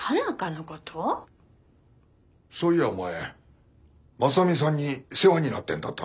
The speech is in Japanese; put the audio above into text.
そういやお前真実さんに世話になってんだったな。